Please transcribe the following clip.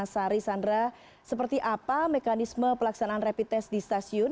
sari sandra seperti apa mekanisme pelaksanaan rapid test di stasiun